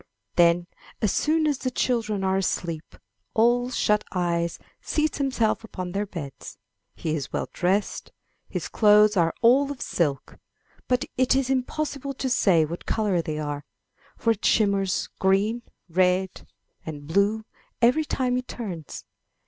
Then as soon as the children are asleep, Ole Shut eyes seats himself upon their beds. He is well dressed; his clothes are all of silk; but it is impossible to say what color they are, for it shimmers green, red and blue 132 I N THE NURSERY every time he turns.